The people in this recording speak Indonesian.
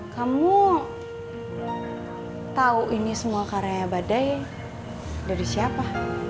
kamu tahu ini semua karya badai dari siapa